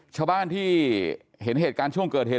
ชาวบ้านที่เห็นเหตุการณ์ช่วงเกิดเหตุ